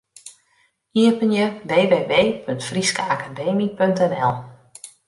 Iepenje www.fryskeakademy.nl.